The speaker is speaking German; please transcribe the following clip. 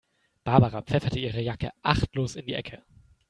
Barbara pfeffert ihre Jacke achtlos in die Ecke.